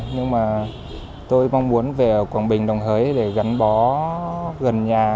nhưng mà tôi mong muốn về quảng bình đồng hới để gắn bó gần nhà